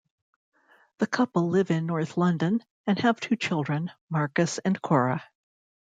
The couple live in North London, and have two children, Marcus and Cora.